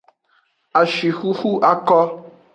Ashixuxu ako.